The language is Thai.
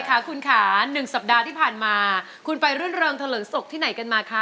คุณราบนมัธศกาลยาวแม่ทุกท่านด้วยนะฮะ